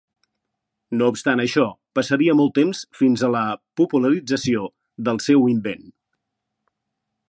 No obstant això passaria molt temps fins a la popularització del seu invent.